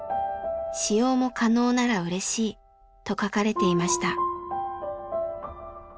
「使用も可能ならうれしい」と書かれていました。